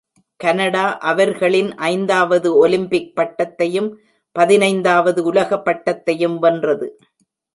Canada அவர்களின் ஐந்தாவது Olympic பட்டத்தையும், பதினைந்தாவது உலக பட்டத்தையும் வென்றது.